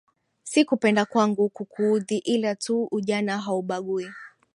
Si kupenda kwangu kukuudhi ila tu ujana haubagui.